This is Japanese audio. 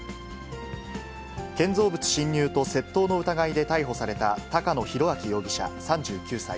建造物侵入と窃盗の疑いで逮捕された高野裕章容疑者３９歳。